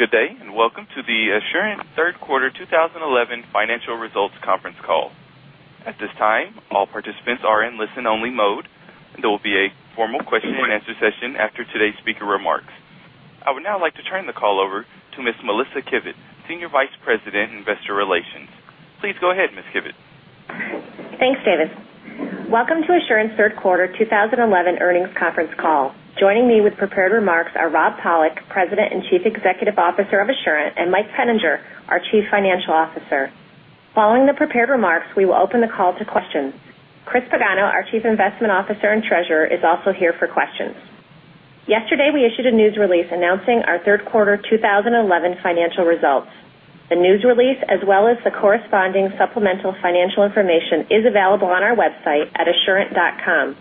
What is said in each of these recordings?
Good day, and welcome to the Assurant third quarter 2011 financial results conference call. At this time, all participants are in listen-only mode, and there will be a formal question and answer session after today's speaker remarks. I would now like to turn the call over to Ms. Melissa Kivett, Senior Vice President, Investor Relations. Please go ahead, Ms. Kivett. Thanks, Davis. Welcome to Assurant's third quarter 2011 earnings conference call. Joining me with prepared remarks are Rob Pollock, President and Chief Executive Officer of Assurant, and Mike Peninger, our Chief Financial Officer. Following the prepared remarks, we will open the call to questions. Chris Pagano, our Chief Investment Officer and Treasurer, is also here for questions. Yesterday, we issued a news release announcing our third quarter 2011 financial results. The news release, as well as the corresponding supplemental financial information, is available on our website at assurant.com.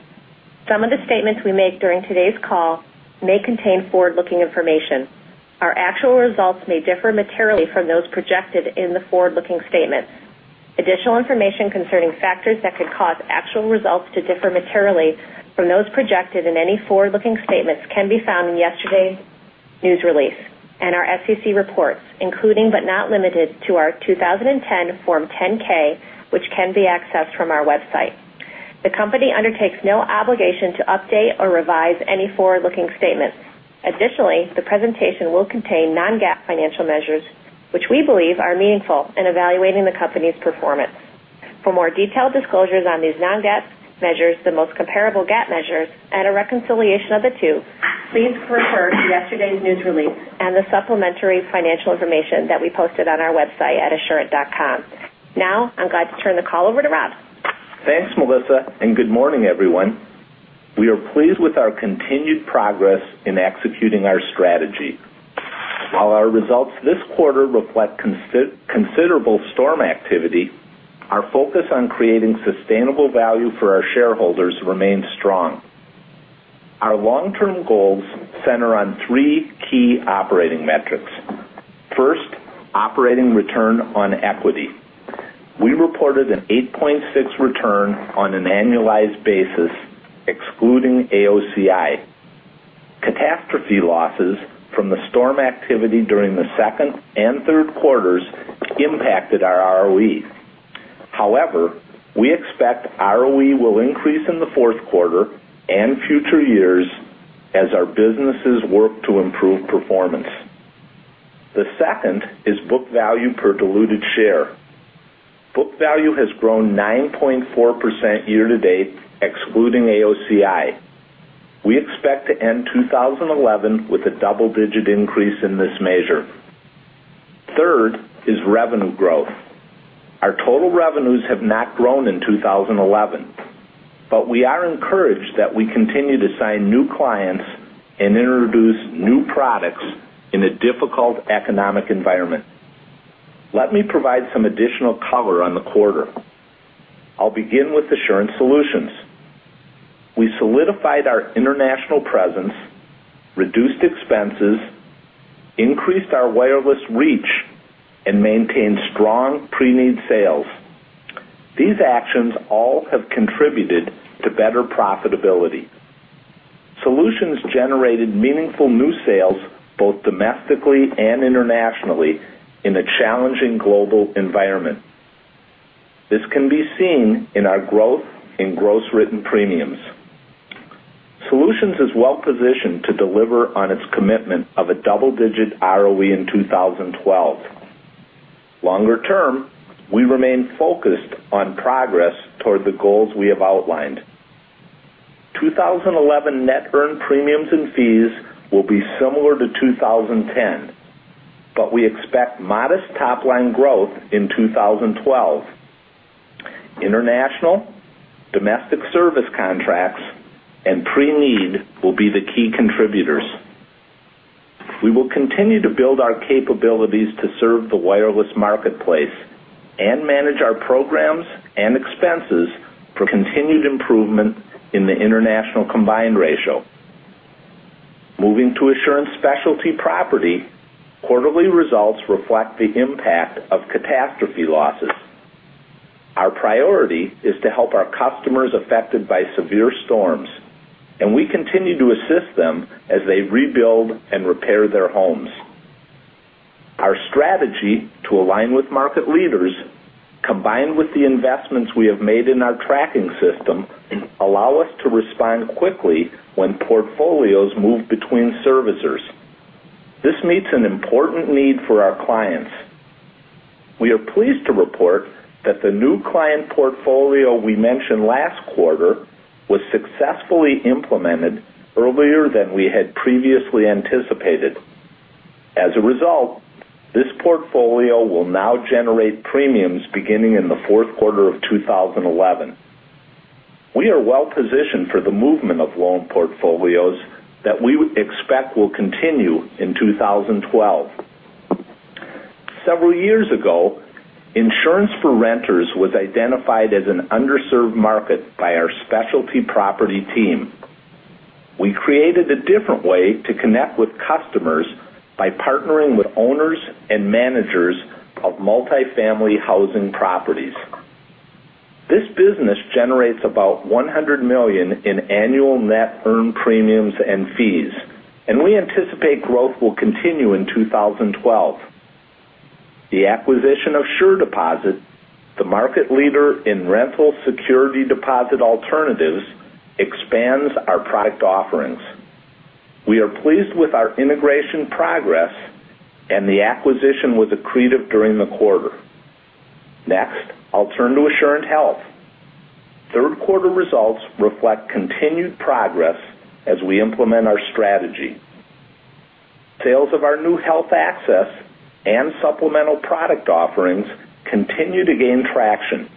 Some of the statements we make during today's call may contain forward-looking information. Our actual results may differ materially from those projected in the forward-looking statements. Additional information concerning factors that could cause actual results to differ materially from those projected in any forward-looking statements can be found in yesterday's news release and our SEC reports, including but not limited to our 2010 Form 10-K, which can be accessed from our website. The company undertakes no obligation to update or revise any forward-looking statements. Additionally, the presentation will contain non-GAAP financial measures, which we believe are meaningful in evaluating the company's performance. For more detailed disclosures on these non-GAAP measures, the most comparable GAAP measures, and a reconciliation of the two, please refer to yesterday's news release and the supplementary financial information that we posted on our website at assurant.com. I'm glad to turn the call over to Rob. Thanks, Melissa, and good morning, everyone. We are pleased with our continued progress in executing our strategy. While our results this quarter reflect considerable storm activity, our focus on creating sustainable value for our shareholders remains strong. Our long-term goals center on three key operating metrics. First, operating return on equity. We reported an 8.6 return on an annualized basis, excluding AOCI. Catastrophe losses from the storm activity during the second and third quarters impacted our ROE. However, we expect ROE will increase in the fourth quarter and future years as our businesses work to improve performance. The second is book value per diluted share. Book value has grown 9.4% year-to-date, excluding AOCI. We expect to end 2011 with a double-digit increase in this measure. Third is revenue growth. Our total revenues have not grown in 2011. We are encouraged that we continue to sign new clients and introduce new products in a difficult economic environment. Let me provide some additional color on the quarter. I'll begin with Assurant Solutions. We solidified our international presence, reduced expenses, increased our wireless reach, and maintained strong pre-need sales. These actions all have contributed to better profitability. Assurant Solutions generated meaningful new sales both domestically and internationally in a challenging global environment. This can be seen in our growth in gross written premiums. Assurant Solutions is well positioned to deliver on its commitment of a double-digit ROE in 2012. Longer term, we remain focused on progress toward the goals we have outlined. 2011 net earned premiums and fees will be similar to 2010, but we expect modest top-line growth in 2012. International, domestic service contracts, and pre-need will be the key contributors. We will continue to build our capabilities to serve the wireless marketplace and manage our programs and expenses for continued improvement in the international combined ratio. Moving to Assurant Specialty Property, quarterly results reflect the impact of catastrophe losses. Our priority is to help our customers affected by severe storms, and we continue to assist them as they rebuild and repair their homes. Our strategy to align with market leaders, combined with the investments we have made in our tracking system, allow us to respond quickly when portfolios move between servicers. This meets an important need for our clients. We are pleased to report that the new client portfolio we mentioned last quarter was successfully implemented earlier than we had previously anticipated. As a result, this portfolio will now generate premiums beginning in the fourth quarter of 2011. We are well positioned for the movement of loan portfolios that we expect will continue in 2012. Several years ago, insurance for renters was identified as an underserved market by our specialty property team. We created a different way to connect with customers by partnering with owners and managers of multifamily housing properties. This business generates about $100 million in annual net earned premiums and fees, and we anticipate growth will continue in 2012. The acquisition of SureDeposit, the market leader in rental security deposit alternatives, expands our product offerings. We are pleased with our integration progress and the acquisition was accretive during the quarter. Next, I'll turn to Assurant Health. Third quarter results reflect continued progress as we implement our strategy. Sales of our new Health Access and supplemental product offerings continue to gain traction.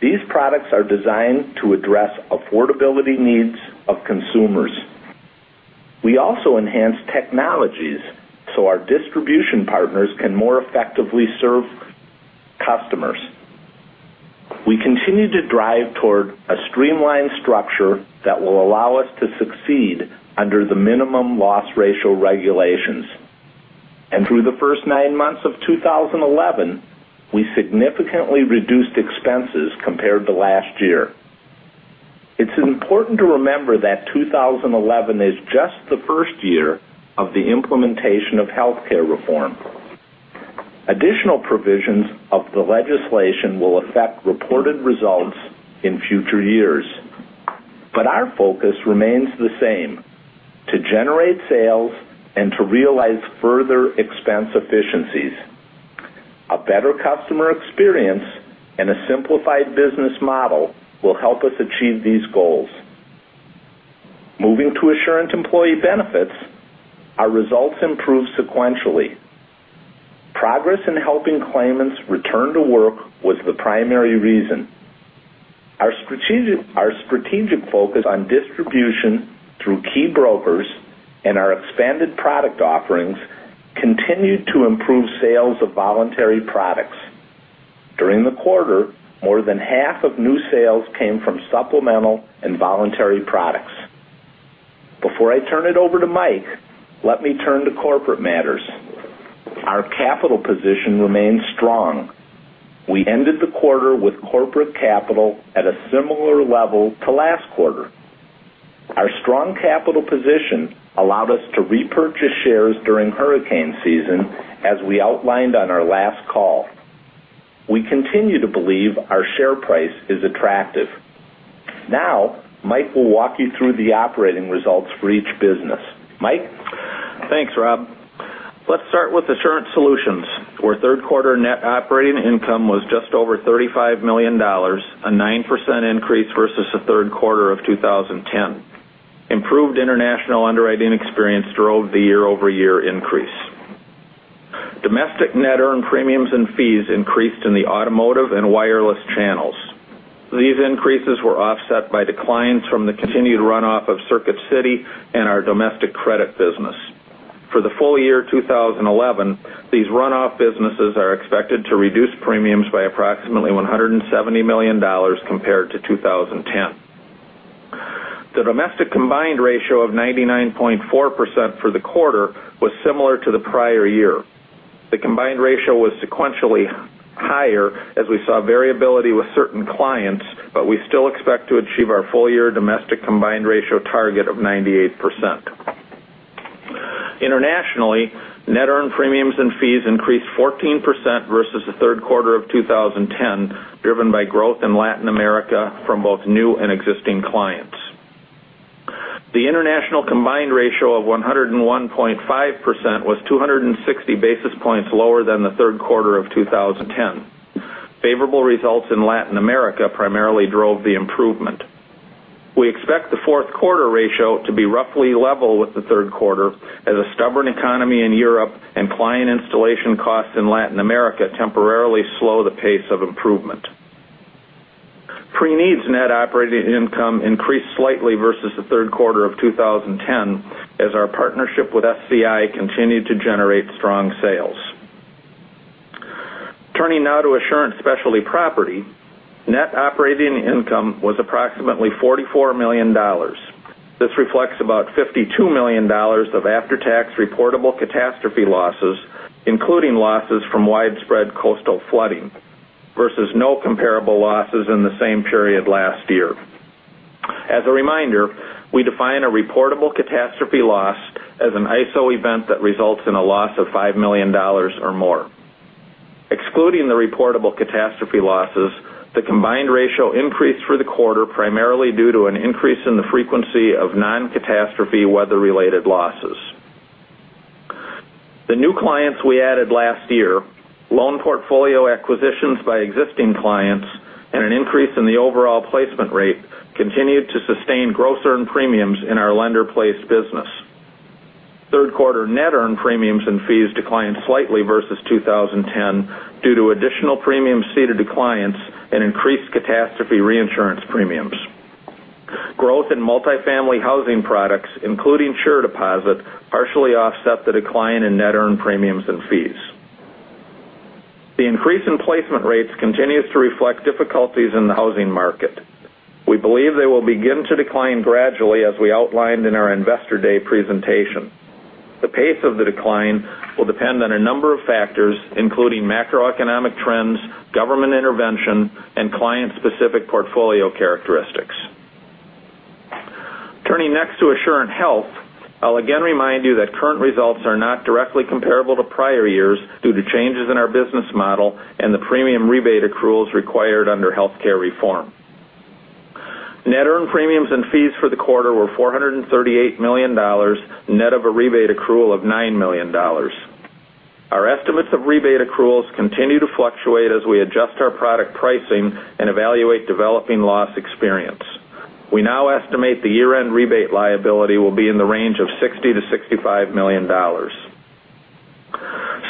These products are designed to address affordability needs of consumers. We also enhance technologies so our distribution partners can more effectively serve customers. We continue to drive toward a streamlined structure that will allow us to succeed under the minimum loss ratio regulations. Through the first nine months of 2011, we significantly reduced expenses compared to last year. It's important to remember that 2011 is just the first year of the implementation of healthcare reform. Additional provisions of the legislation will affect reported results in future years. Our focus remains the same, to generate sales and to realize further expense efficiencies. A better customer experience and a simplified business model will help us achieve these goals. Moving to Assurant Employee Benefits, our results improved sequentially. Progress in helping claimants return to work was the primary reason. Our strategic focus on distribution through key brokers and our expanded product offerings continued to improve sales of voluntary products. During the quarter, more than half of new sales came from supplemental and voluntary products. Before I turn it over to Mike, let me turn to corporate matters. Our capital position remains strong. We ended the quarter with corporate capital at a similar level to last quarter. Our strong capital position allowed us to repurchase shares during hurricane season, as we outlined on our last call. We continue to believe our share price is attractive. Now, Mike will walk you through the operating results for each business. Mike? Thanks, Rob. Let's start with Assurant Solutions, where third quarter net operating income was just over $35 million, a 9% increase versus the third quarter of 2010. Improved international underwriting experience drove the year-over-year increase. Domestic net earned premiums and fees increased in the automotive and wireless channels. These increases were offset by declines from the continued runoff of Circuit City and our domestic credit business. For the full year 2011, these runoff businesses are expected to reduce premiums by approximately $170 million compared to 2010. The domestic combined ratio of 99.4% for the quarter was similar to the prior year. The combined ratio was sequentially higher as we saw variability with certain clients, but we still expect to achieve our full year domestic combined ratio target of 98%. Internationally, net earned premiums and fees increased 14% versus the third quarter of 2010, driven by growth in Latin America from both new and existing clients. The international combined ratio of 101.5% was 260 basis points lower than the third quarter of 2010. Favorable results in Latin America primarily drove the improvement. We expect the fourth quarter ratio to be roughly level with the third quarter as a stubborn economy in Europe and client installation costs in Latin America temporarily slow the pace of improvement. Preneeds net operating income increased slightly versus the third quarter of 2010 as our partnership with SCI continued to generate strong sales. Turning now to Assurant Specialty Property, net operating income was approximately $44 million. This reflects about $52 million of after-tax reportable catastrophe losses, including losses from widespread coastal flooding, versus no comparable losses in the same period last year. As a reminder, we define a reportable catastrophe loss as an ISO event that results in a loss of $5 million or more. Excluding the reportable catastrophe losses, the combined ratio increased for the quarter, primarily due to an increase in the frequency of non-catastrophe weather related losses. The new clients we added last year, loan portfolio acquisitions by existing clients, and an increase in the overall placement rate continued to sustain gross earned premiums in our Lender-Placed business. Third quarter net earned premiums and fees declined slightly versus 2010 due to additional premiums ceded to clients and increased catastrophe reinsurance premiums. Growth in multifamily housing products, including SureDeposit, partially offset the decline in net earned premiums and fees. The increase in placement rates continues to reflect difficulties in the housing market. We believe they will begin to decline gradually as we outlined in our Investor Day presentation. The pace of the decline will depend on a number of factors, including macroeconomic trends, government intervention, and client-specific portfolio characteristics. Turning next to Assurant Health, I will again remind you that current results are not directly comparable to prior years due to changes in our business model and the premium rebate accruals required under healthcare reform. Net earned premiums and fees for the quarter were $438 million, net of a rebate accrual of $9 million. Our estimates of rebate accruals continue to fluctuate as we adjust our product pricing and evaluate developing loss experience. We now estimate the year-end rebate liability will be in the range of $60 million to $65 million.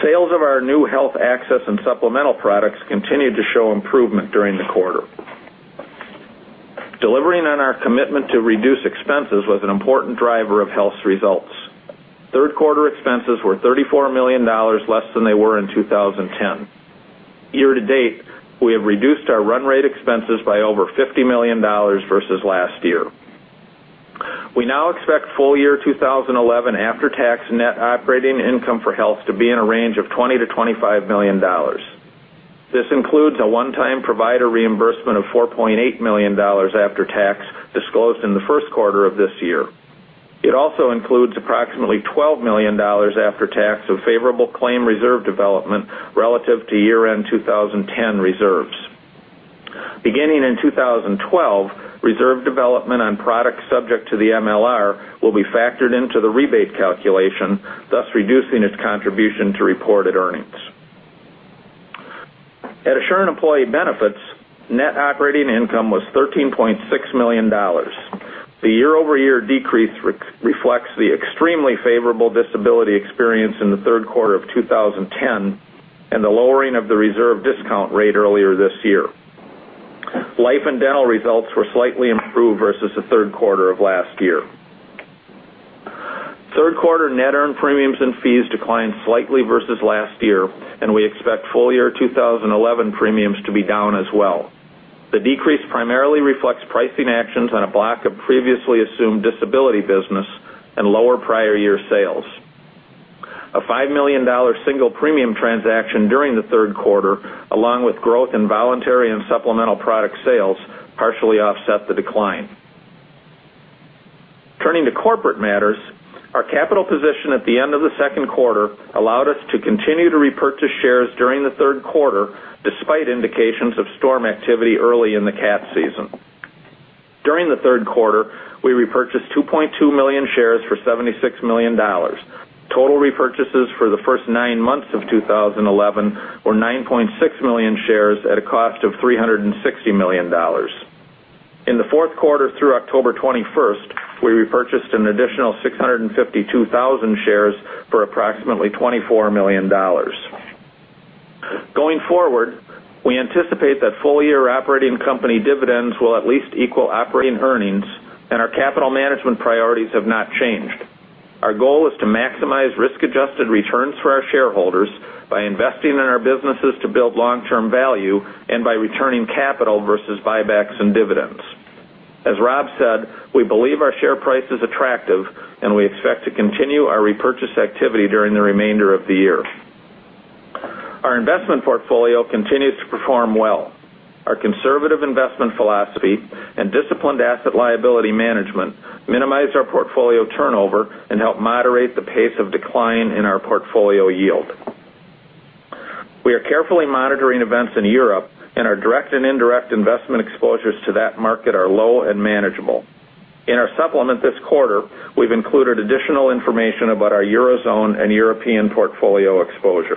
Sales of our new Health Access and supplemental products continued to show improvement during the quarter. Delivering on our commitment to reduce expenses was an important driver of Health's results. Third quarter expenses were $34 million less than they were in 2010. Year-to-date, we have reduced our run rate expenses by over $50 million versus last year. We now expect full year 2011 after-tax net operating income for Health to be in a range of $20 million to $25 million. This includes a one-time provider reimbursement of $4.8 million after tax disclosed in the first quarter of this year. It also includes approximately $12 million after tax of favorable claim reserve development relative to year-end 2010 reserves. Beginning in 2012, reserve development on products subject to the MLR will be factored into the rebate calculation, thus reducing its contribution to reported earnings. At Assurant Employee Benefits, net operating income was $13.6 million. The year-over-year decrease reflects the extremely favorable disability experience in the third quarter of 2010 and the lowering of the reserve discount rate earlier this year. Life and dental results were slightly improved versus the third quarter of last year. Third quarter net earned premiums and fees declined slightly versus last year, and we expect full year 2011 premiums to be down as well. The decrease primarily reflects pricing actions on a block of previously assumed disability business and lower prior year sales. A $5 million single premium transaction during the third quarter, along with growth in voluntary and supplemental product sales, partially offset the decline. Turning to corporate matters, our capital position at the end of the second quarter allowed us to continue to repurchase shares during the third quarter, despite indications of storm activity early in the cat season. During the third quarter, we repurchased 2.2 million shares for $76 million. Total repurchases for the first nine months of 2011 were 9.6 million shares at a cost of $360 million. In the fourth quarter through October 21st, we repurchased an additional 652,000 shares for approximately $24 million. Going forward, we anticipate that full year operating company dividends will at least equal operating earnings, and our capital management priorities have not changed. Our goal is to maximize risk-adjusted returns for our shareholders by investing in our businesses to build long-term value and by returning capital versus buybacks and dividends. As Rob said, we believe our share price is attractive, and we expect to continue our repurchase activity during the remainder of the year. Our investment portfolio continues to perform well. Our conservative investment philosophy and disciplined asset liability management minimize our portfolio turnover and help moderate the pace of decline in our portfolio yield. We are carefully monitoring events in Europe, and our direct and indirect investment exposures to that market are low and manageable. In our supplement this quarter, we've included additional information about our Eurozone and European portfolio exposure.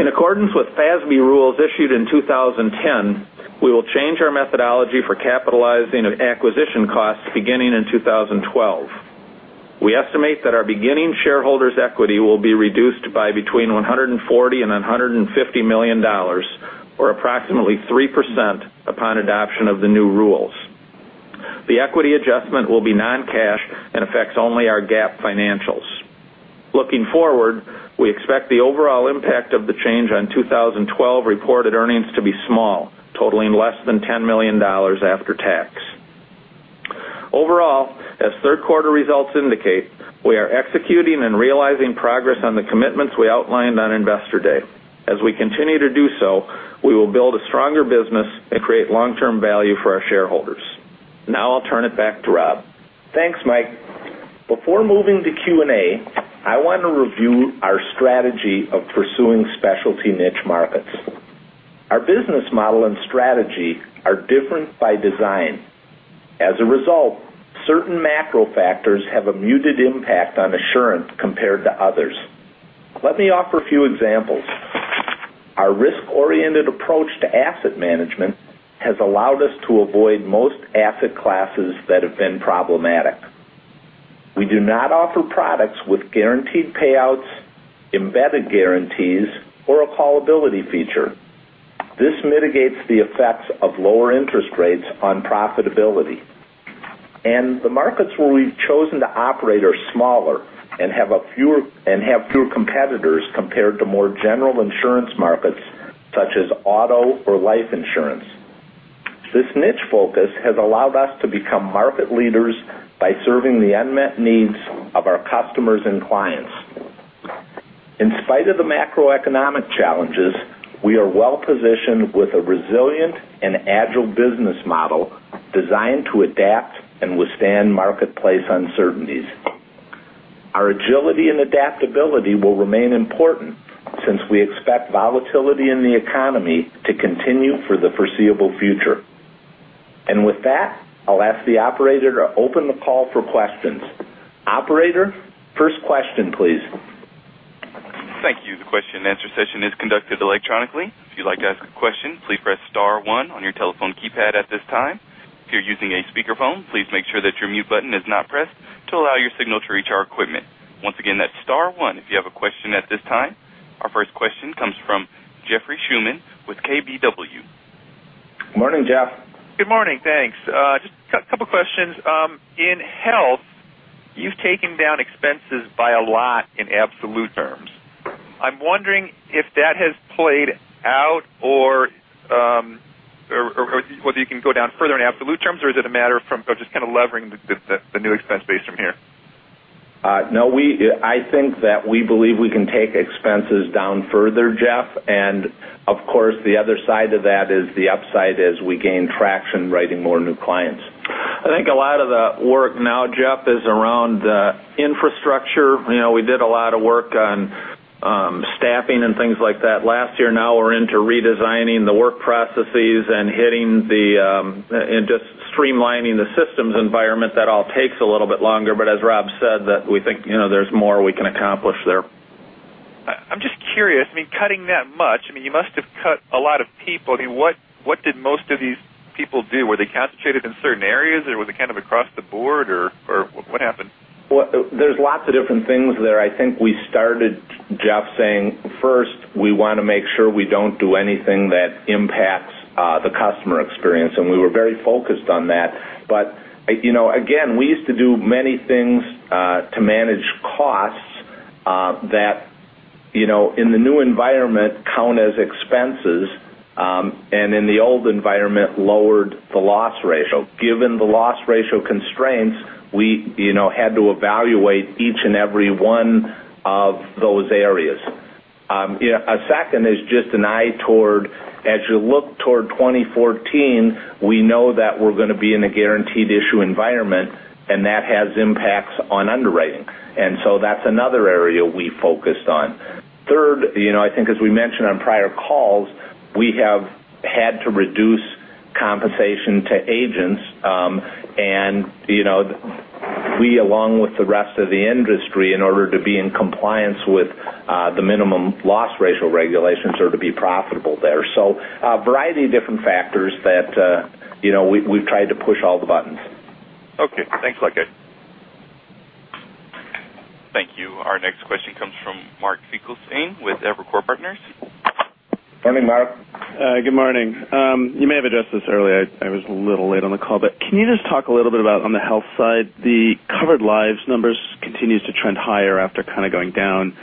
In accordance with FASB rules issued in 2010, we will change our methodology for capitalizing acquisition costs beginning in 2012. We estimate that our beginning shareholders' equity will be reduced by between $140 million-$150 million, or approximately 3%, upon adoption of the new rules. The equity adjustment will be non-cash and affects only our GAAP financials. Looking forward, we expect the overall impact of the change on 2012 reported earnings to be small, totaling less than $10 million after tax. Overall, as third quarter results indicate, we are executing and realizing progress on the commitments we outlined on Investor Day. As we continue to do so, we will build a stronger business and create long-term value for our shareholders. I'll turn it back to Rob. Thanks, Mike. Before moving to Q&A, I want to review our strategy of pursuing specialty niche markets. Our business model and strategy are different by design. As a result, certain macro factors have a muted impact on Assurant compared to others. Let me offer a few examples. Our risk-oriented approach to asset management has allowed us to avoid most asset classes that have been problematic. We do not offer products with guaranteed payouts, embedded guarantees, or a callability feature. This mitigates the effects of lower interest rates on profitability. The markets where we've chosen to operate are smaller and have fewer competitors compared to more general insurance markets such as auto or life insurance. This niche focus has allowed us to become market leaders by serving the unmet needs of our customers and clients. In spite of the macroeconomic challenges, we are well-positioned with a resilient and agile business model designed to adapt and withstand marketplace uncertainties. Our agility and adaptability will remain important since we expect volatility in the economy to continue for the foreseeable future. With that, I'll ask the operator to open the call for questions. Operator, first question, please. Thank you. The question-and-answer session is conducted electronically. If you'd like to ask a question, please press star one on your telephone keypad at this time. If you're using a speakerphone, please make sure that your mute button is not pressed to allow your signal to reach our equipment. Once again, that's star one if you have a question at this time. Our first question comes from Jeffrey Schuman with KBW. Morning, Jeff. Good morning. Thanks. Just got a couple of questions. In Health, you've taken down expenses by a lot in absolute terms. I'm wondering if that has played out, or whether you can go down further in absolute terms, or is it a matter of just kind of levering the new expense base from here? No. I think that we believe we can take expenses down further, Jeff, and of course, the other side of that is the upside as we gain traction writing more new clients. I think a lot of the work now, Jeff, is around infrastructure. We did a lot of work on staffing and things like that last year. Now we're into redesigning the work processes and just streamlining the systems environment. That all takes a little bit longer, but as Rob said, that we think there's more we can accomplish there. I'm just curious. Cutting that much, you must have cut a lot of people. What did most of these people do? Were they concentrated in certain areas, or was it kind of across the board, or what happened? There's lots of different things there. I think we started, Jeff, saying, first, we want to make sure we don't do anything that impacts the customer experience, and we were very focused on that. Again, we used to do many things to manage costs that, in the new environment, count as expenses, and in the old environment, lowered the loss ratio. Given the loss ratio constraints, we had to evaluate each and every one of those areas. A second is just an eye toward, as you look toward 2014, we know that we're going to be in a guaranteed issue environment, and that has impacts on underwriting. That's another area we focused on. Third, I think as we mentioned on prior calls, we have had to reduce compensation to agents, and we, along with the rest of the industry, in order to be in compliance with the minimum loss ratio regulations, are to be profitable there. A variety of different factors that we've tried to push all the buttons. Okay. Thanks a lot, Jeff. Thank you. Our next question comes from Mark Finkelstein with Evercore Partners. Morning, Mark. Good morning. You may have addressed this earlier. I was a little late on the call. Can you just talk a little bit about, on the health side, the covered lives numbers continues to trend higher after kind of going down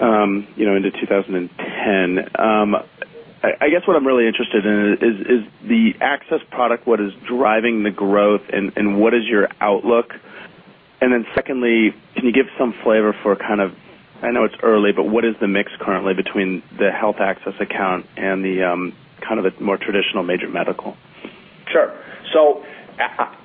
into 2010. I guess what I'm really interested in is the Access product, what is driving the growth, and what is your outlook? Secondly, can you give some flavor for kind of, I know it's early, but what is the mix currently between the health Access account and the kind of more traditional major medical? Sure.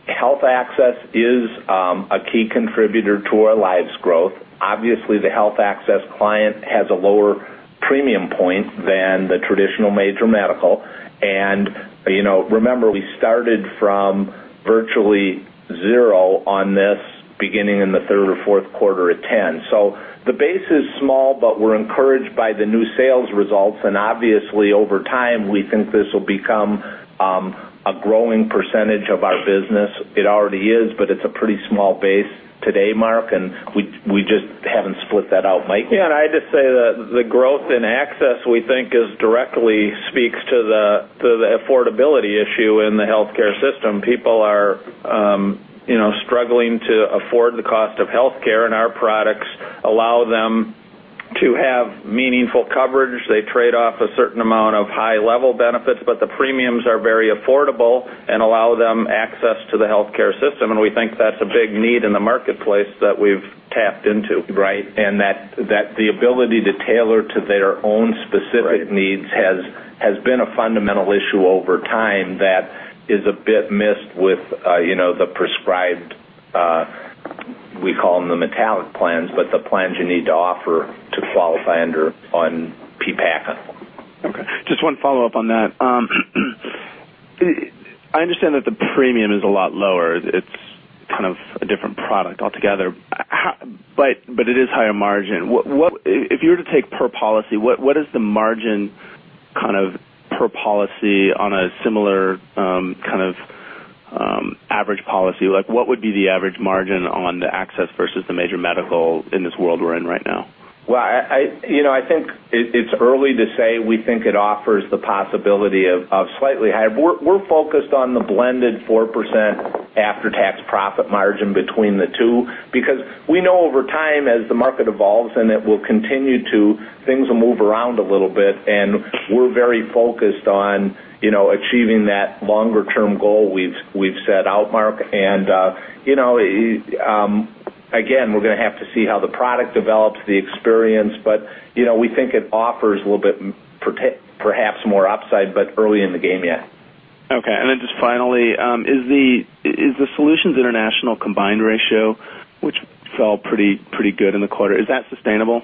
Health Access is a key contributor to our lives growth. Obviously, the health Access client has a lower premium point than the traditional major medical. Remember, we started from virtually zero on this beginning in the third or fourth quarter of 2010. The base is small. We're encouraged by the new sales results. Obviously, over time, we think this will become a growing percentage of our business. It already is, but it's a pretty small base today, Mark, and we just haven't split that out, Mike. Yeah, I'd just say that the growth in Access, we think, directly speaks to the affordability issue in the healthcare system. People are struggling to afford the cost of healthcare, and our products allow them to have meaningful coverage. They trade off a certain amount of high-level benefits, but the premiums are very affordable and allow them Access to the healthcare system, and we think that's a big need in the marketplace that we've tapped into. Right. That the ability to tailor to their own specific needs has been a fundamental issue over time that is a bit missed with the prescribed, we call them the metallic plans, but the plans you need to offer to qualify under on PPACA. Okay. Just one follow-up on that. I understand that the premium is a lot lower. It's kind of a different product altogether. It is higher margin. If you were to take per policy, what is the margin kind of per policy on a similar kind of average policy? What would be the average margin on the Access versus the major medical in this world we're in right now? Well, I think it's early to say. We think it offers the possibility of slightly higher. We're focused on the blended 4% after-tax profit margin between the two, because we know over time, as the market evolves, and it will continue to, things will move around a little bit, and we're very focused on achieving that longer-term goal we've set out, Mark. Again, we're going to have to see how the product develops, the experience. We think it offers a little bit, perhaps more upside, but early in the game yet. Okay, just finally, is the Solutions International combined ratio, which fell pretty good in the quarter, is that sustainable?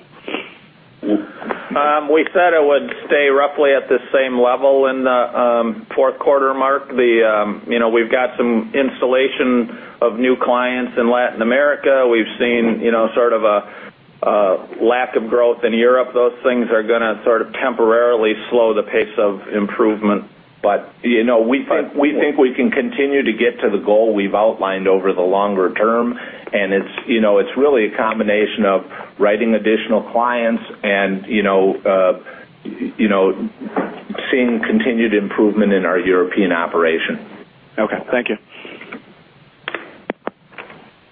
We said it would stay roughly at the same level in the fourth quarter, Mark. We've got some installation of new clients in Latin America. We've seen sort of a lack of growth in Europe. Those things are going to sort of temporarily slow the pace of improvement. We think we can continue to get to the goal we've outlined over the longer term, and it's really a combination of writing additional clients and seeing continued improvement in our European operation. Okay. Thank you.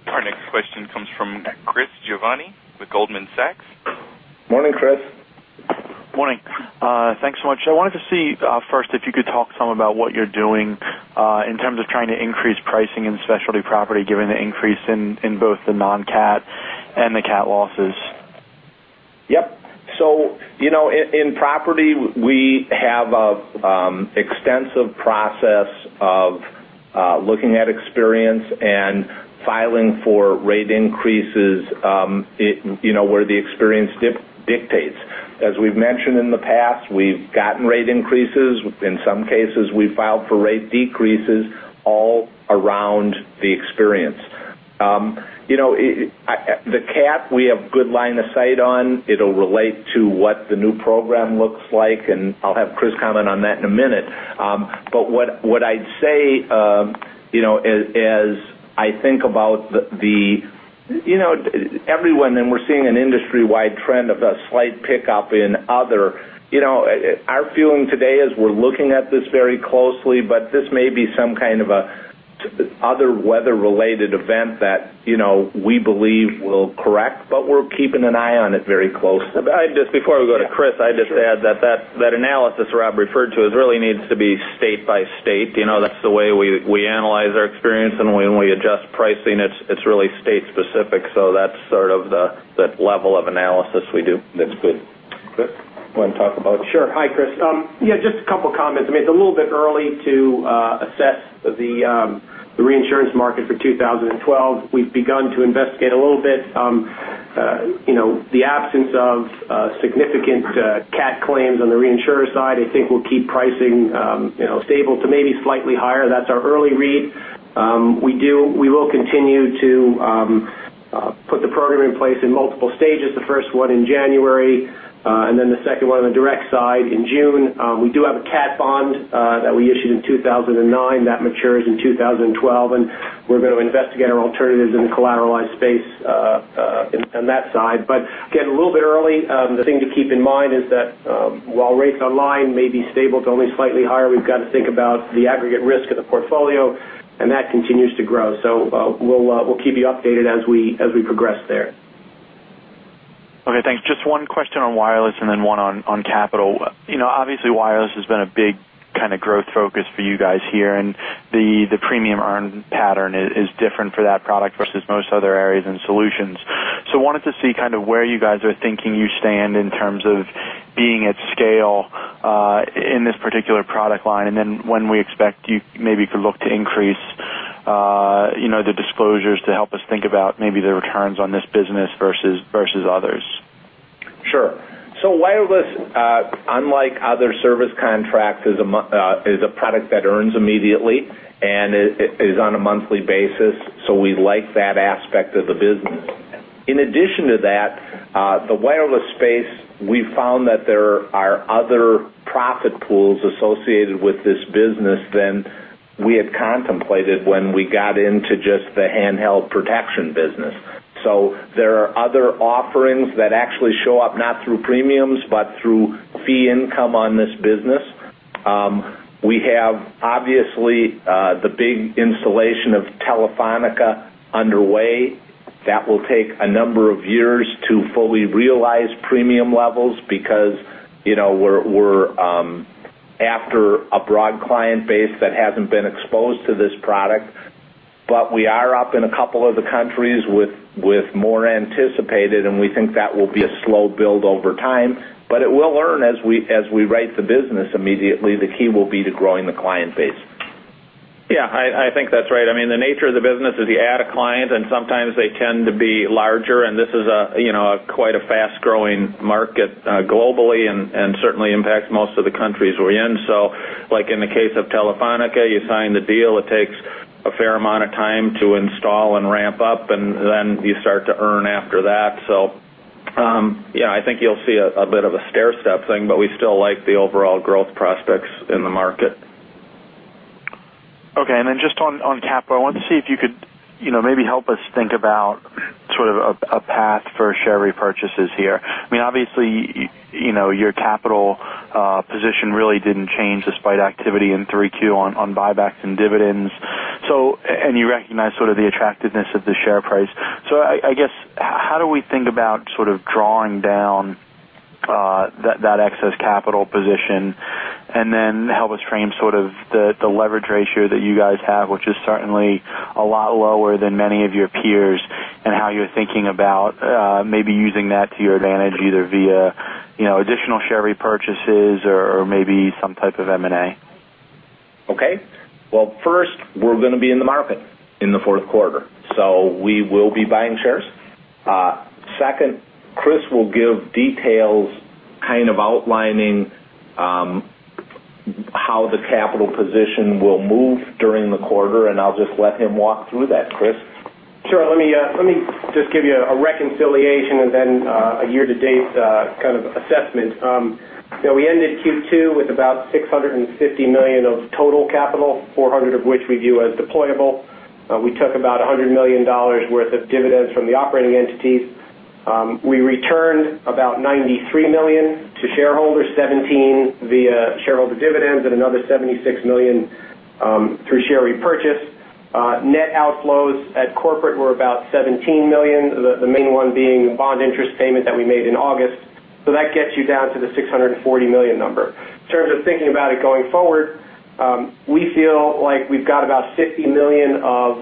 Our next question comes from Chris Giovanni with Goldman Sachs. Morning, Chris. Morning. Thanks so much. I wanted to see first if you could talk some about what you're doing in terms of trying to increase pricing in Assurant Specialty Property, given the increase in both the non-cat and the cat losses. Yep. In property, we have an extensive process of looking at experience and filing for rate increases where the experience dictates. As we've mentioned in the past, we've gotten rate increases. In some cases, we've filed for rate decreases all around the experience. The cat, we have good line of sight on. It'll relate to what the new program looks like, and I'll have Chris comment on that in a minute. What I'd say as I think about everyone, and we're seeing an industry-wide trend of a slight pickup in other. Our feeling today is we're looking at this very closely, but this may be some kind of other weather-related event that we believe will correct, but we're keeping an eye on it very closely. Just before we go to Chris, I'd just add that that analysis Rob referred to really needs to be state by state. That's the way we analyze our experience, and when we adjust pricing, it's really state specific, so that's sort of the level of analysis we do. That's good. Chris, you want to talk about it? Sure. Hi, Chris. Yeah, just a couple comments. I mean, it's a little bit early to assess the reinsurance market for 2012. We've begun to investigate a little bit. The absence of significant cat claims on the reinsurer side, I think will keep pricing stable to maybe slightly higher. That's our early read. We will continue to put the program in place in multiple stages, the first one in January, and then the second one on the direct side in June. We do have a cat bond that we issued in 2009. That matures in 2012, and we're going to investigate our alternatives in the collateralized space on that side. Again, a little bit early. The thing to keep in mind is that while rates online may be stable to only slightly higher, we've got to think about the aggregate risk of the portfolio, and that continues to grow. We'll keep you updated as we progress there. Okay, thanks. Just one question on wireless and then one on capital. Obviously, wireless has been a big kind of growth focus for you guys here, and the premium earn pattern is different for that product versus most other areas in Solutions. Wanted to see kind of where you guys are thinking you stand in terms of being at scale in this particular product line, and then when we expect you maybe to look to increase the disclosures to help us think about maybe the returns on this business versus others. Wireless, unlike other service contracts, is a product that earns immediately and is on a monthly basis. We like that aspect of the business. In addition to that, the wireless space, we found that there are other profit pools associated with this business than we had contemplated when we got into just the handheld protection business. There are other offerings that actually show up not through premiums, but through fee income on this business. We have, obviously, the big installation of Telefónica underway. That will take a number of years to fully realize premium levels because we're after a broad client base that hasn't been exposed to this product. We are up in a couple of the countries with more anticipated, and we think that will be a slow build over time. It will earn as we write the business immediately. The key will be to growing the client base. I think that's right. I mean, the nature of the business is you add a client, sometimes they tend to be larger, this is quite a fast-growing market globally and certainly impacts most of the countries we're in. Like in the case of Telefónica, you sign the deal, it takes a fair amount of time to install and ramp up, then you start to earn after that. I think you'll see a bit of a stairstep thing, we still like the overall growth prospects in the market. Just on capital, I wanted to see if you could maybe help us think about sort of a path for share repurchases here. Obviously, your capital position really didn't change despite activity in Q3 on buybacks and dividends. You recognize sort of the attractiveness of the share price. I guess how do we think about sort of drawing down that excess capital position? Help us frame sort of the leverage ratio that you guys have, which is certainly a lot lower than many of your peers, and how you're thinking about maybe using that to your advantage, either via additional share repurchases or maybe some type of M&A. Okay. Well, first, we're going to be in the market in the fourth quarter, so we will be buying shares. Second, Chris will give details kind of outlining how the capital position will move during the quarter, and I'll just let him walk through that. Chris? Sure. Let me just give you a reconciliation and then a year-to-date kind of assessment. We ended Q2 with about $650 million of total capital, $400 million of which we view as deployable. We took about $100 million worth of dividends from the operating entities. We returned about $93 million to shareholders, $17 million via shareholder dividends and another $76 million through share repurchase. Net outflows at corporate were about $17 million, the main one being the bond interest payment that we made in August. That gets you down to the $640 million number. In terms of thinking about it going forward, we feel like we've got about $50 million of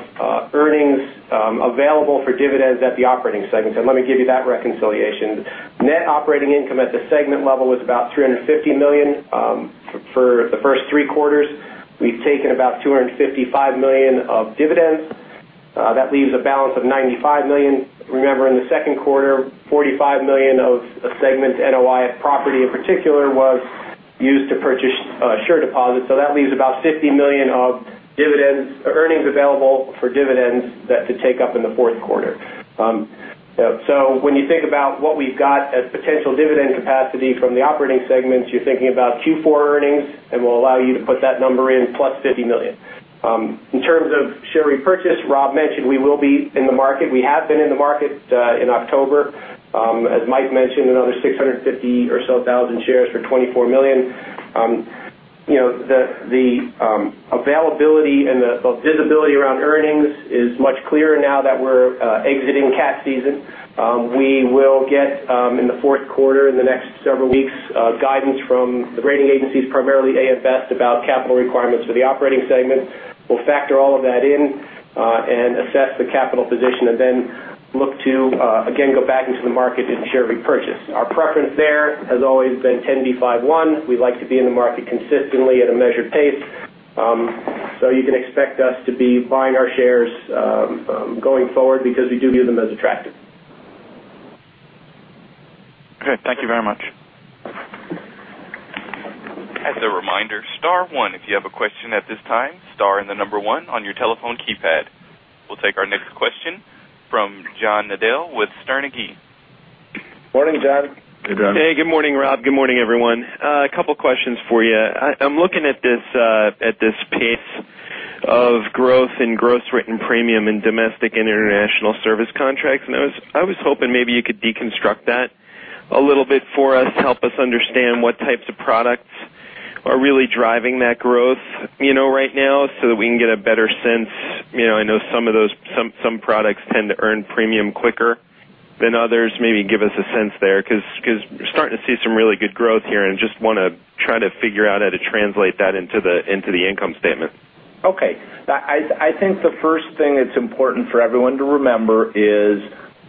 earnings available for dividends at the operating segment, and let me give you that reconciliation. Net operating income at the segment level was about $350 million for the first three quarters. We've taken about $255 million of dividends. That leaves a balance of $95 million. Remember, in the second quarter, $45 million of segment NOI, property in particular, was used to purchase SureDeposit. That leaves about $50 million of earnings available for dividends to take up in the fourth quarter. When you think about what we've got as potential dividend capacity from the operating segments, you're thinking about Q4 earnings, and we'll allow you to put that number in plus $50 million. In terms of share repurchase, Rob mentioned we will be in the market. We have been in the market in October. As Mike mentioned, another 650,000 or so shares for $24 million. The availability and the visibility around earnings is much clearer now that we're exiting cat season. We will get, in the fourth quarter, in the next several weeks, guidance from the rating agencies, primarily AM Best, about capital requirements for the operating segment. We'll factor all of that in and assess the capital position, and then look to, again, go back into the market in share repurchase. Our preference there has always been 10b5-1. We like to be in the market consistently at a measured pace. You can expect us to be buying our shares going forward because we do view them as attractive. Okay. Thank you very much. As a reminder, star one if you have a question at this time, star and the number one on your telephone keypad. We'll take our next question from John Nadel with Sterne, Agee & Leach. Morning, John. Good morning. Hey, good morning, Rob. Good morning, everyone. A couple of questions for you. I'm looking at this pace of growth in gross written premium in domestic and international service contracts. I was hoping maybe you could deconstruct that a little bit for us to help us understand what types of products are really driving that growth right now so that we can get a better sense. I know some products tend to earn premium quicker than others. Maybe give us a sense there because we're starting to see some really good growth here. Just want to try to figure out how to translate that into the income statement. Okay. I think the first thing that's important for everyone to remember is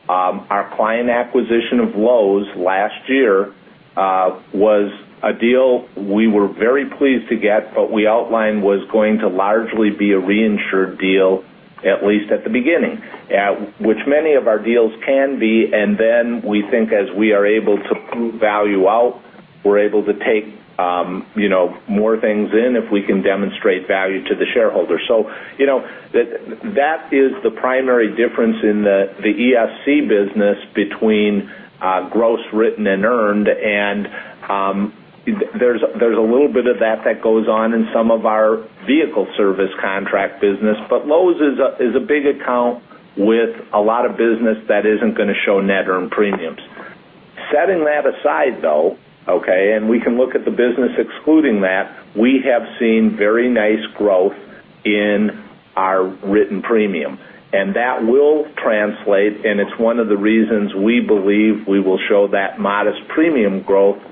our client acquisition of Lowe's last year was a deal we were very pleased to get. We outlined was going to largely be a reinsured deal, at least at the beginning, which many of our deals can be. We think as we are able to move value out, we're able to take more things in if we can demonstrate value to the shareholder. That is the primary difference in the ESC business between gross written and earned, and there's a little bit of that that goes on in some of our vehicle service contract business. Lowe's is a big account with a lot of business that isn't going to show net earned premiums. Setting that aside, though, okay. We can look at the business excluding that. We have seen very nice growth in our written premium. That will translate. It's one of the reasons we believe we will show that modest premium growth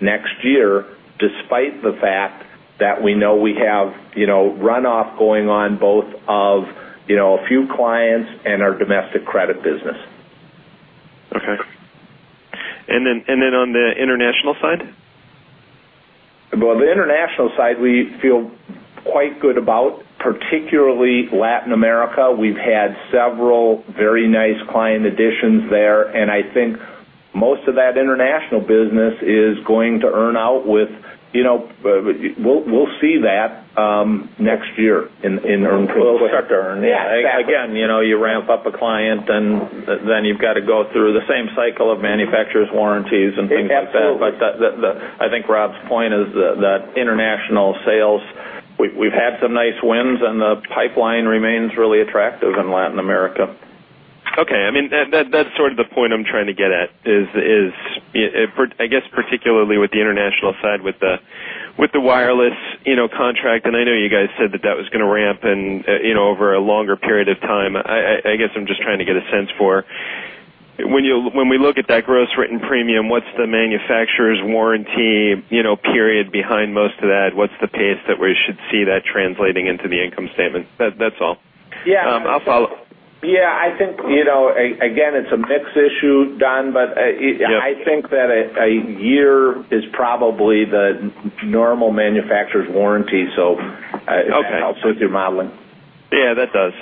next year, despite the fact that we know we have runoff going on both of a few clients and our domestic credit business. Okay. On the international side? Well, the international side we feel quite good about, particularly Latin America. We've had several very nice client additions there, and I think most of that international business is going to earn out with, we'll see that next year in earned premium. Will start to earn. Yeah, exactly. ramp up a client, then you've got to go through the same cycle of manufacturer's warranties and things like that. Absolutely. I think Rob's point is that international sales, we've had some nice wins, and the pipeline remains really attractive in Latin America. Okay. That's sort of the point I'm trying to get at is, I guess, particularly with the international side, with the wireless contract. I know you guys said that that was going to ramp over a longer period of time. I guess I'm just trying to get a sense for when we look at that gross written premium, what's the manufacturer's warranty period behind most of that? What's the pace that we should see that translating into the income statement? That's all. Yeah. I'll follow up. Yeah, I think, again, it's a mix issue, John. Yes. I think that a year is probably the normal manufacturer's warranty. Okay. If that helps with your modeling. Yeah, that does.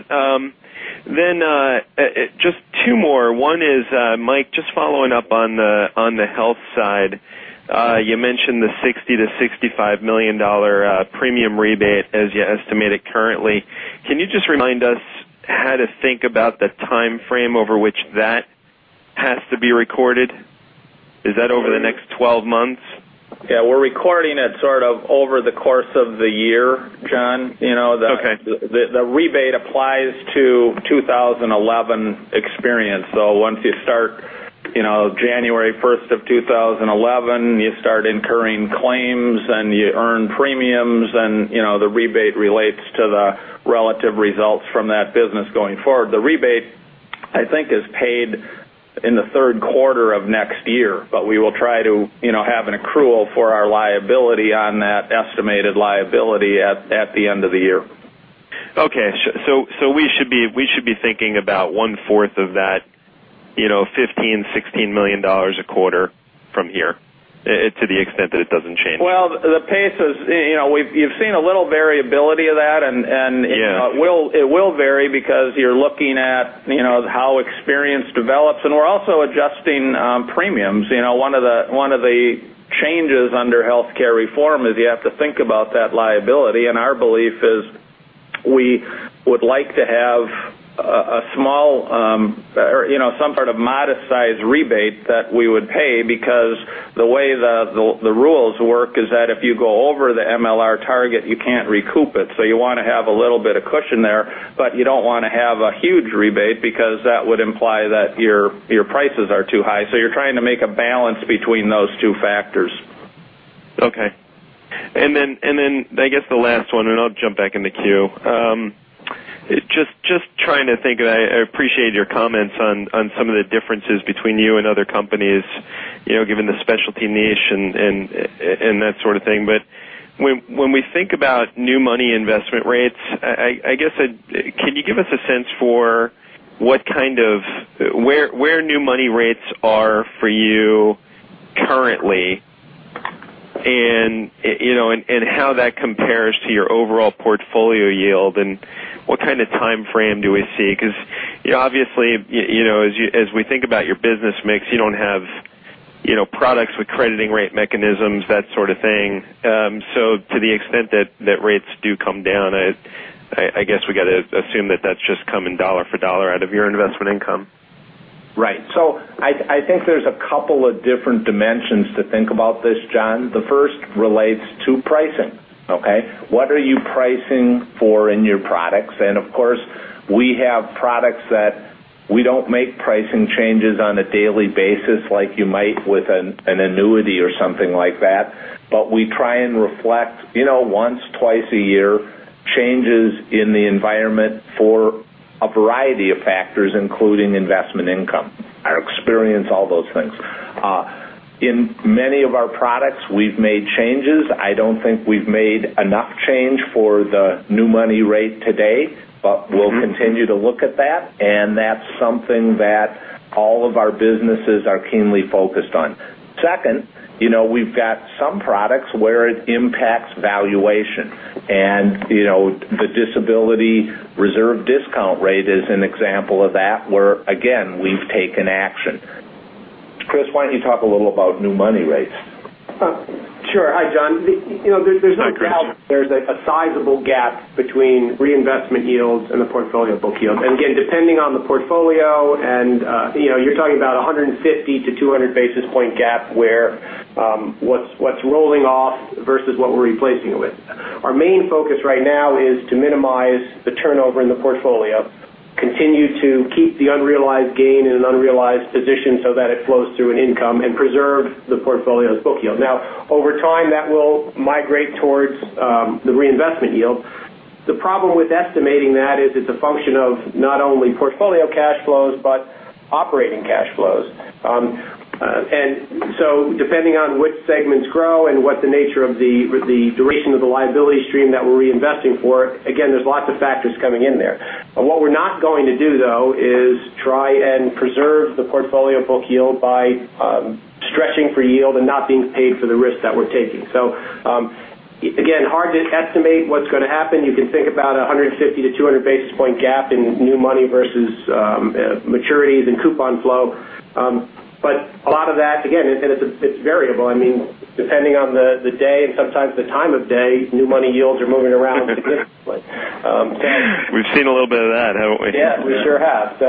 Just two more. One is, Mike, just following up on the health side. You mentioned the $60 million-$65 million premium rebate as you estimate it currently. Can you just remind us how to think about the timeframe over which that has to be recorded? Is that over the next 12 months? Yeah, we're recording it sort of over the course of the year, John. Okay. The rebate applies to 2011 experience. Once you start January 1st of 2011, you start incurring claims, and you earn premiums, and the rebate relates to the relative results from that business going forward. The rebate, I think, is paid in the third quarter of next year, but we will try to have an accrual for our liability on that estimated liability at the end of the year. Okay. We should be thinking about one-fourth of that $15 million-$16 million a quarter from here, to the extent that it doesn't change. Well, the pace is, you've seen a little variability of that. Yeah. It will vary because you're looking at how experience develops. We're also adjusting premiums. One of the changes under healthcare reform is you have to think about that liability. Our belief is we would like to have some sort of modest-sized rebate that we would pay because the way the rules work is that if you go over the MLR target, you can't recoup it. You want to have a little bit of cushion there, but you don't want to have a huge rebate because that would imply that your prices are too high. You're trying to make a balance between those two factors. Okay. I guess the last one, I'll jump back in the queue. Just trying to think, I appreciate your comments on some of the differences between you and other companies, given the specialty niche and that sort of thing. When we think about new money investment rates, I guess, can you give us a sense for where new money rates are for you currently, and how that compares to your overall portfolio yield, and what kind of timeframe do we see? Because obviously, as we think about your business mix, you don't have products with crediting rate mechanisms, that sort of thing. To the extent that rates do come down, I guess we got to assume that that's just coming dollar for dollar out of your investment income. Right. I think there's a couple of different dimensions to think about this, John. The first relates to pricing. Okay. What are you pricing for in your products? Of course, we have products that we don't make pricing changes on a daily basis like you might with an annuity or something like that. We try and reflect once, twice a year, changes in the environment for a variety of factors, including investment income, our experience, all those things. In many of our products, we've made changes. I don't think we've made enough change for the new money rate today, but we'll continue to look at that, and that's something that all of our businesses are keenly focused on. Second, we've got some products where it impacts valuation. The disability reserve discount rate is an example of that, where, again, we've taken action. Chris, why don't you talk a little about new money rates? Sure. Hi, John. Hi, Chris. There's no doubt there's a sizable gap between reinvestment yields and the portfolio book yield. Depending on the portfolio, you're talking about 150 to 200 basis point gap where what's rolling off versus what we're replacing it with. Our main focus right now is to minimize the turnover in the portfolio, continue to keep the unrealized gain in an unrealized position so that it flows through in income, and preserve the portfolio's book yield. Now, over time, that will migrate towards the reinvestment yield. The problem with estimating that is it's a function of not only portfolio cash flows but operating cash flows. Depending on which segments grow and what the nature of the duration of the liability stream that we're reinvesting for, again, there's lots of factors coming in there. What we're not going to do, though, is try and preserve the portfolio book yield by stretching for yield and not being paid for the risk that we're taking. Again, hard to estimate what's going to happen. You can think about 150 to 200 basis point gap in new money versus maturities and coupon flow. A lot of that, again, it's variable. Depending on the day and sometimes the time of day, new money yields are moving around significantly. We've seen a little bit of that, haven't we? Yeah, we sure have.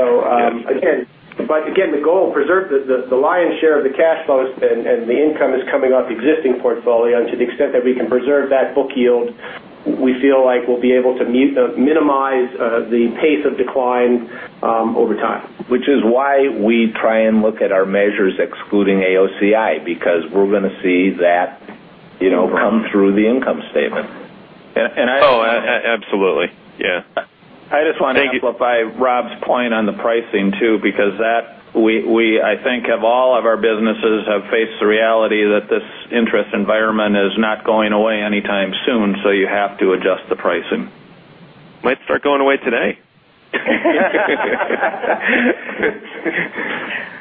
Again, the goal, preserve the lion's share of the cash flows and the income is coming off existing portfolio to the extent that we can preserve that book yield. We feel like we'll be able to minimize the pace of decline over time. Which is why we try and look at our measures excluding AOCI, because we're going to see that come through the income statement. Oh, absolutely. Yeah. I just want to amplify Rob's point on the pricing too, because that, I think of all of our businesses, have faced the reality that this interest environment is not going away anytime soon, so you have to adjust the pricing. Might start going away today.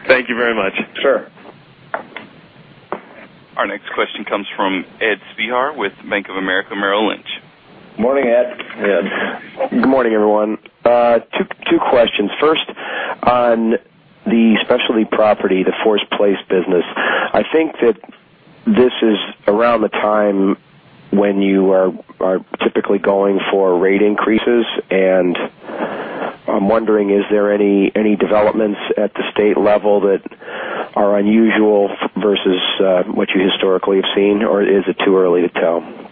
Thank you very much. Sure. Our next question comes from Edward Spehar with Bank of America Merrill Lynch. Morning, Ed. Ed. Good morning, everyone. Two questions. First, on the specialty property, the forced place business. I think that this is around the time when you are typically going for rate increases, and I am wondering, is there any developments at the state level that are unusual versus what you historically have seen, or is it too early to tell?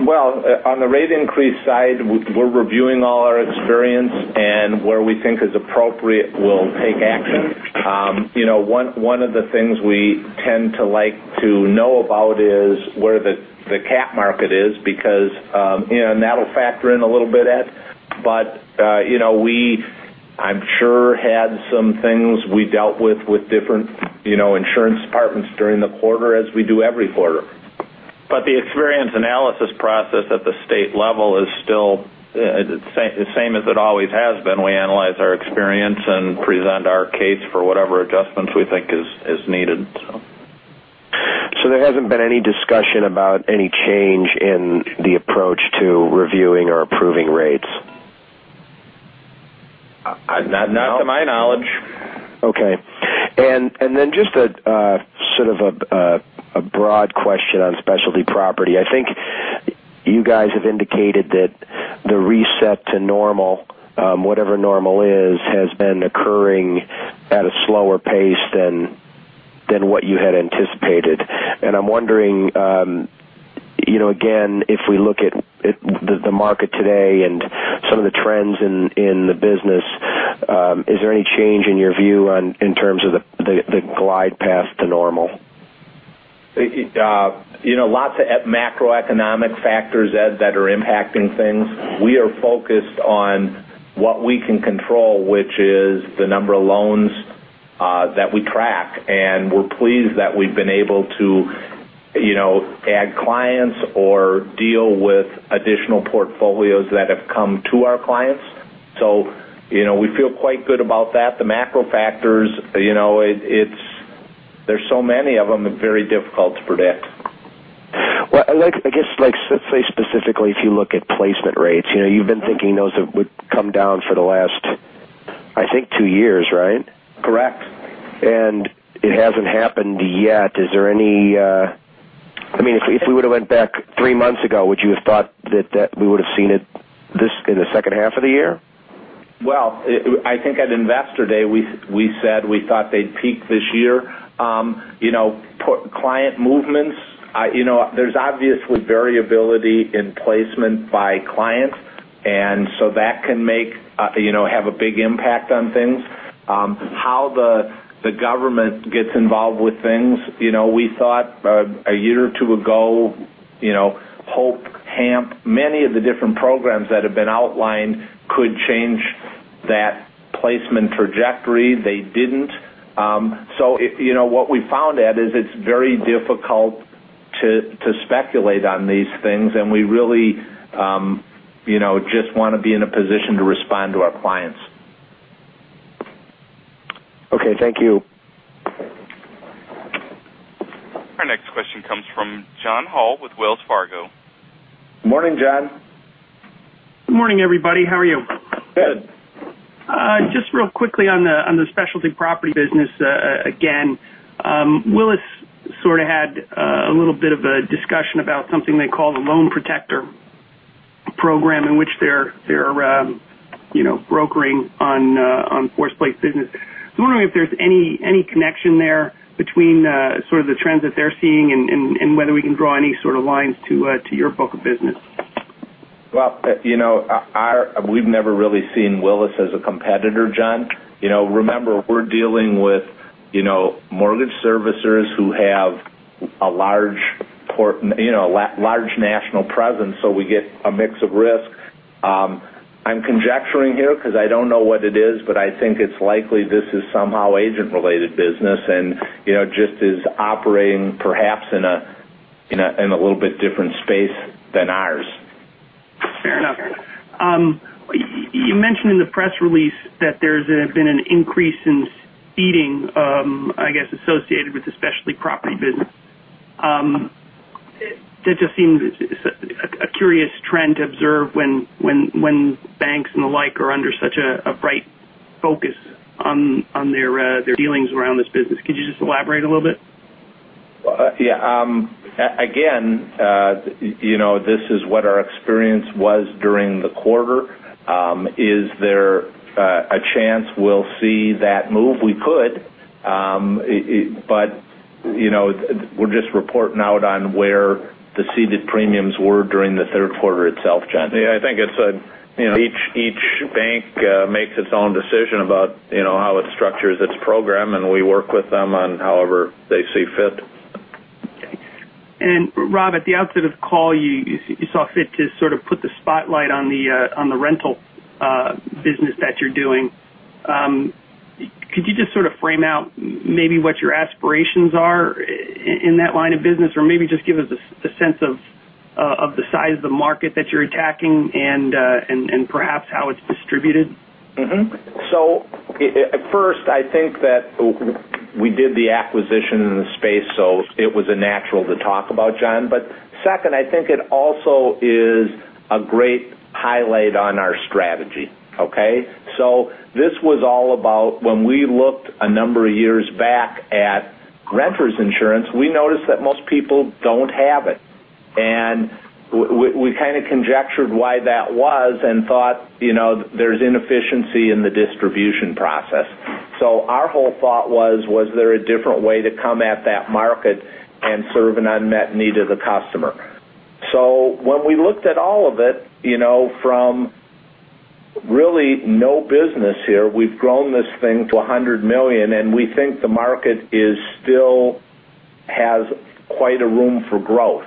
Well, on the rate increase side, we are reviewing all our experience, and where we think is appropriate, we will take action. One of the things we tend to like to know about is where the cat market is, and that will factor in a little bit, Ed. We, I am sure, had some things we dealt with different insurance departments during the quarter as we do every quarter. The experience analysis process at the state level is still the same as it always has been. We analyze our experience and present our case for whatever adjustments we think is needed. There hasn't been any discussion about any change in the approach to reviewing or approving rates? Not to my knowledge. Okay. Then just sort of a broad question on Specialty Property. I think you guys have indicated that the reset to normal, whatever normal is, has been occurring at a slower pace than what you had anticipated. I'm wondering, again, if we look at the market today and some of the trends in the business, is there any change in your view in terms of the glide path to normal? Lots of macroeconomic factors, Ed, that are impacting things. We are focused on what we can control, which is the number of loans that we track, and we're pleased that we've been able to add clients or deal with additional portfolios that have come to our clients. We feel quite good about that. The macro factors, there's so many of them, they're very difficult to predict. I guess, say specifically if you look at placement rates. You've been thinking those would come down for the last, I think two years, right? Correct. It hasn't happened yet. If we would've went back three months ago, would you have thought that we would've seen it in the second half of the year? Well, I think at Investor Day, we said we thought they'd peak this year. Client movements, there's obviously variability in placement by client, that can have a big impact on things. How the government gets involved with things. We thought a year or two ago, HOPE, HAMP, many of the different programs that have been outlined could change that placement trajectory. They didn't. What we found, Ed, is it's very difficult to speculate on these things, and we really just want to be in a position to respond to our clients. Okay. Thank you. Our next question comes from John Hall with Wells Fargo. Morning, John. Good morning, everybody. How are you? Good. Just real quickly on the specialty property business again. Willis sort of had a little bit of a discussion about something they call the Loan Protector program, in which they're brokering on forced place business. I was wondering if there's any connection there between sort of the trends that they're seeing and whether we can draw any sort of lines to your book of business. Well, we've never really seen Willis as a competitor, John. Remember, we're dealing with mortgage servicers who have a large national presence, so we get a mix of risk. I'm conjecturing here because I don't know what it is, but I think it's likely this is somehow agent-related business, and just is operating perhaps in a little bit different space than ours. Fair enough. You mentioned in the press release that there's been an increase in ceding, I guess, associated with the specialty property business. That just seems a curious trend to observe when banks and the like are under such a bright focus on their dealings around this business. Could you just elaborate a little bit? Yeah. Again, this is what our experience was during the quarter. Is there a chance we'll see that move? We could. We're just reporting out on where the ceded premiums were during the third quarter itself, John. Yeah, I think each bank makes its own decision about how it structures its program, and we work with them on however they see fit. Okay. Rob, at the outset of the call, you saw fit to sort of put the spotlight on the rental business that you're doing. Could you just sort of frame out maybe what your aspirations are in that line of business? Maybe just give us a sense of the size of the market that you're attacking and perhaps how it's distributed? First, I think that we did the acquisition in the space, it was natural to talk about, John. Second, I think it also is a great highlight on our strategy, okay? This was all about when we looked a number of years back at Renters Insurance, we noticed that most people don't have it. We kind of conjectured why that was and thought, there's inefficiency in the distribution process. Our whole thought was there a different way to come at that market and serve an unmet need of the customer? When we looked at all of it, from really no business here, we've grown this thing to $100 million, and we think the market still has quite a room for growth.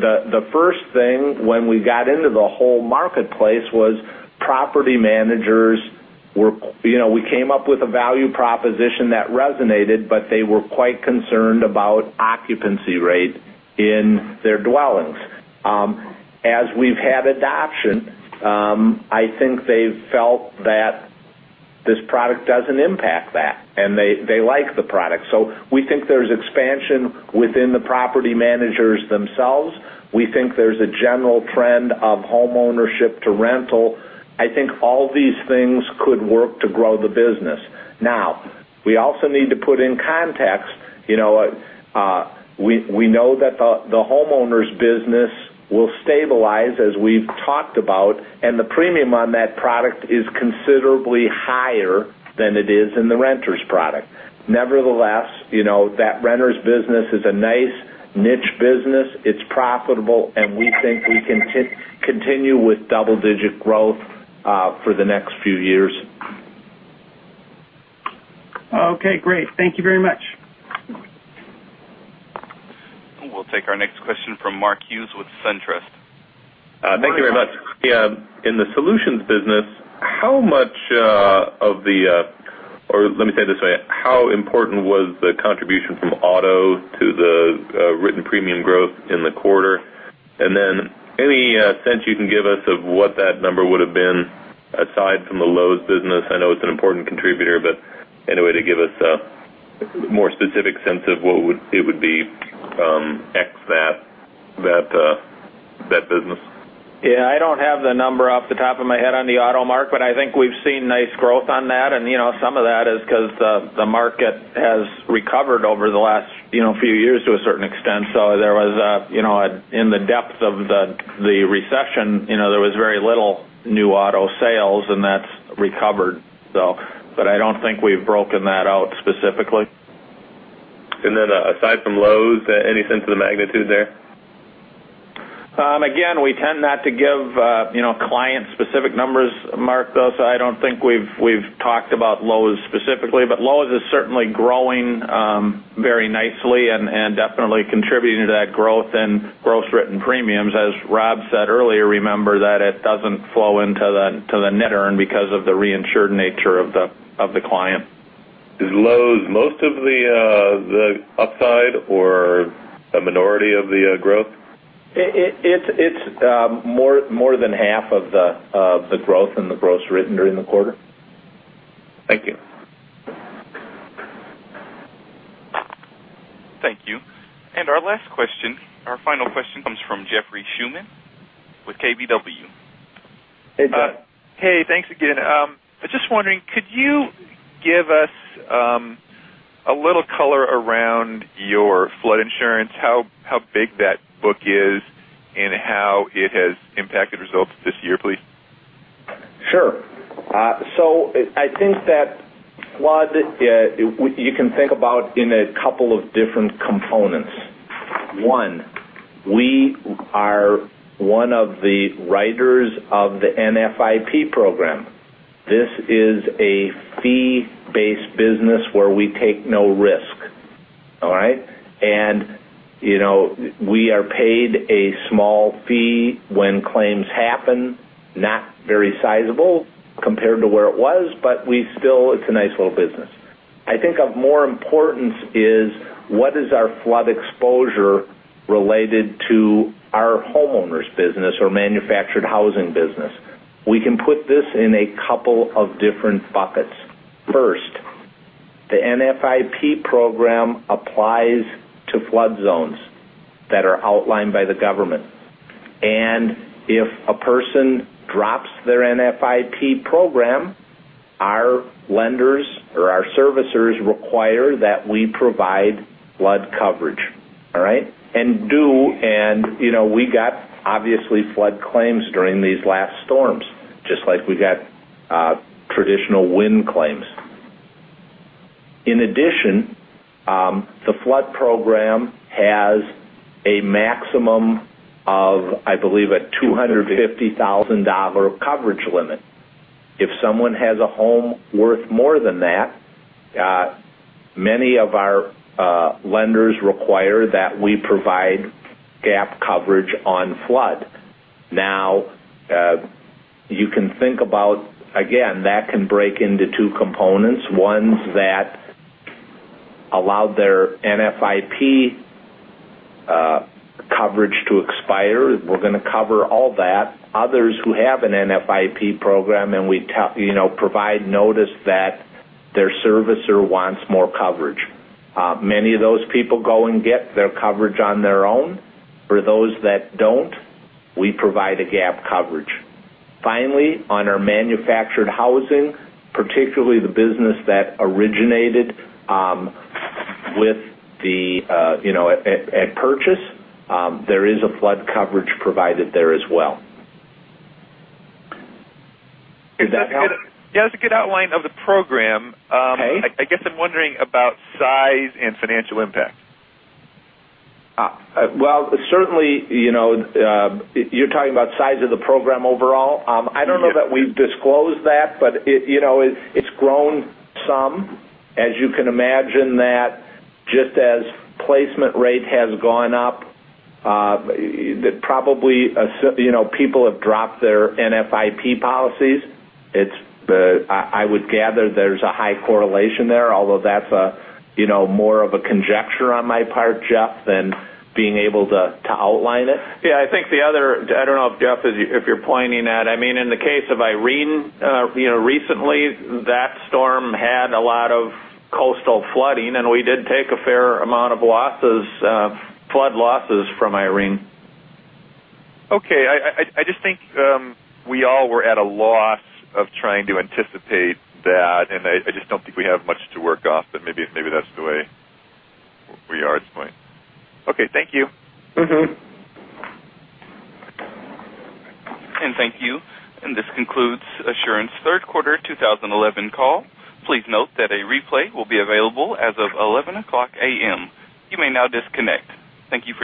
The first thing when we got into the whole marketplace was property managers. We came up with a value proposition that resonated, they were quite concerned about occupancy rate in their dwellings. As we've had adoption, I think they've felt that this product doesn't impact that, and they like the product. We think there's expansion within the property managers themselves. We think there's a general trend of homeownership to rental. I think all these things could work to grow the business. We also need to put in context, we know that the homeowners business will stabilize, as we've talked about, and the premium on that product is considerably higher than it is in the Renters product. That Renters business is a nice niche business. It's profitable, and we think we can continue with double-digit growth for the next few years. Okay, great. Thank you very much. We'll take our next question from Mark Hughes with SunTrust. Thank you very much. Yeah. In the solutions business, how important was the contribution from auto to the written premium growth in the quarter? Any sense you can give us of what that number would've been aside from the Lowe's business? I know it's an important contributor, but any way to give us a more specific sense of what it would be ex that business? Yeah. I don't have the number off the top of my head on the auto, Mark, but I think we've seen nice growth on that. Some of that is because the market has recovered over the last few years to a certain extent. In the depth of the recession, there was very little new auto sales, and that's recovered. I don't think we've broken that out specifically. Aside from Lowe's, any sense of the magnitude there? Again, we tend not to give client-specific numbers, Mark. Thus, I don't think we've talked about Lowe's specifically. Lowe's is certainly growing very nicely and definitely contributing to that growth in gross written premiums. As Rob said earlier, remember that it doesn't flow into the net earn because of the reinsured nature of the client. Is Lowe's most of the upside or a minority of the growth? It's more than half of the growth in the gross written during the quarter. Thank you. Thank you. Our last question, our final question comes from Jeffrey Schuman with KBW. Hey, Jeff. Hey, thanks again. I'm just wondering, could you give us a little color around your flood insurance, how big that book is, and how it has impacted results this year, please? Sure. I think that flood, you can think about in a couple of different components. One, we are one of the writers of the NFIP program. This is a fee-based business where we take no risk. All right? We are paid a small fee when claims happen, not very sizable compared to where it was, it's a nice little business. I think of more importance is what is our flood exposure related to our homeowners business or manufactured housing business. We can put this in a couple of different buckets. First, the NFIP program applies to flood zones that are outlined by the government. If a person drops their NFIP program, our lenders or our servicers require that we provide flood coverage. All right? We got, obviously, flood claims during these last storms, just like we got traditional wind claims. In addition, the flood program has a maximum of, I believe, a $250,000 coverage limit. If someone has a home worth more than that, many of our lenders require that we provide gap coverage on flood. Now, you can think about, again, that can break into 2 components. One's that allowed their NFIP coverage to expire. We're going to cover all that. Others who have an NFIP program, we provide notice that their servicer wants more coverage. Many of those people go and get their coverage on their own. For those that don't, we provide a gap coverage. Finally, on our manufactured housing, particularly the business that originated at purchase, there is a flood coverage provided there as well. Does that help? Yeah, that's a good outline of the program. Okay. I guess I'm wondering about size and financial impact. Well, certainly, you're talking about size of the program overall? I don't know that we've disclosed that, but it's grown some. As you can imagine that just as placement rate has gone up, probably people have dropped their NFIP policies. I would gather there's a high correlation there, although that's more of a conjecture on my part, Jeff, than being able to outline it. Yeah, I think the other, I don't know if, Jeff, if you're pointing at, in the case of Irene, recently, that storm had a lot of coastal flooding, and we did take a fair amount of flood losses from Irene. Okay. I just think we all were at a loss of trying to anticipate that. I just don't think we have much to work off, maybe that's the way we are at this point. Okay. Thank you. Thank you. This concludes Assurant's third quarter 2011 call. Please note that a replay will be available as of 11:00 A.M. You may now disconnect. Thank you for your participation.